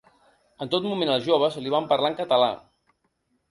En tot moment, els joves li van parlar en català.